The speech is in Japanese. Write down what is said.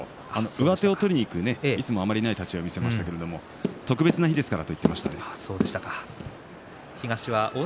上手を取りにいくいつもあまりない立ち合いを見せましたけれども特別な日ですからという話をしていました。